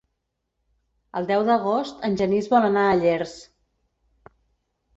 El deu d'agost en Genís vol anar a Llers.